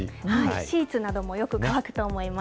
シーツなどもよく乾くと思います。